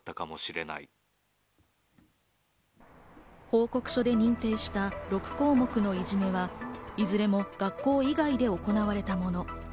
報告書で認定した６項目のいじめは、いずれも学校以外で行われたもの。